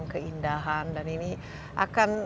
keindahan dan ini akan